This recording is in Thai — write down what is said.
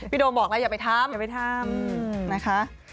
พี่โดมบอกแล้วอย่าไปทำ